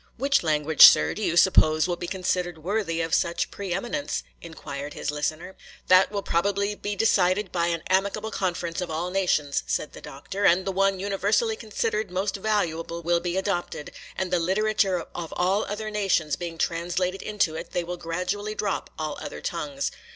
'Which language, sir, do you suppose will be considered worthy of such pre eminence?' inquired his listener. 'That will probably be decided by an amicable conference of all nations,' said the Doctor; 'and the one universally considered most valuable will be adopted; and the literature of all other nations being translated into it, they will gradually drop all other tongues.